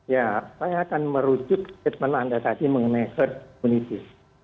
ya saya akan merujuk statement anda tadi mengenai herd immunity